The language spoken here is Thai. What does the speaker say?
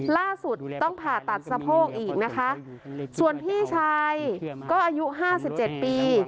ล่าสุดต้องผ่าตัดสะโพกอีกนะคะส่วนพี่ชายก็อายุห้าสิบเจ็ดปี